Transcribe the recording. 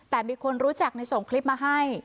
แต่มีคนรู้จักในส่งคลิปมาให้